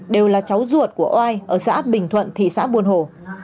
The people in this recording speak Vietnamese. đều là cháu ruột của oai ở xã bình thuận thị xã buôn hồ